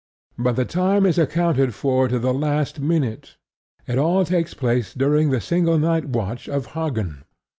But the time is accounted for to the last minute: it all takes place during the single night watch of Hagen.